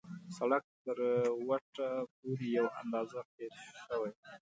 سړک تر وټه پورې یو اندازه قیر شوی.